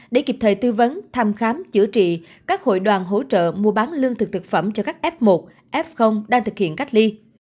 để kịp thời tư vấn thăm khám chữa trị các hội đoàn hỗ trợ mua bán lương thực thực phẩm cho các f một f đang thực hiện cách ly